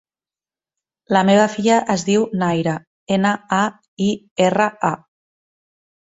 La meva filla es diu Naira: ena, a, i, erra, a.